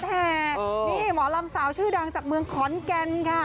แห่นี่หมอลำสาวชื่อดังจากเมืองขอนแก่นค่ะ